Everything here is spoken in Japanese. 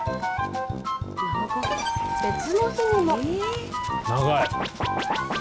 別の日にも。